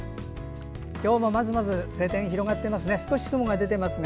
今日もまずまず晴天が広がっています。